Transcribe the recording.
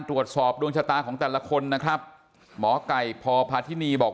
ตรวจสอบดวงชะตาของแต่ละคนนะครับหมอไก่พพาธินีบอก